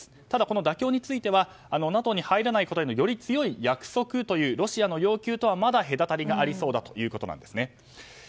ただ、妥協についてはＮＡＴＯに入らないことへのより強い約束というロシアの要求とはまだ隔たりがありそうだということなんですね。